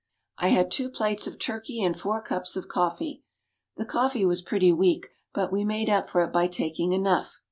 I had two plates of turkey and four cups of coffee; the coffee was pretty weak, but we made up for it by taking enough.